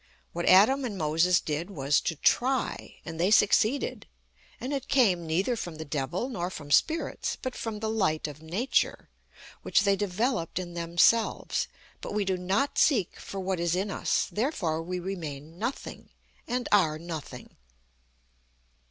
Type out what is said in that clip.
What Adam and Moses did was to try, and they succeeded, and it came neither from the Devil nor from Spirits, but from the Light of Nature, which they developed in themselves. But we do not seek for what is in us, therefore we remain nothing, and are nothing."